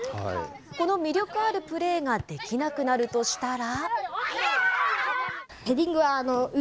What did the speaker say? この魅力あるプレーができなくなるとしたら。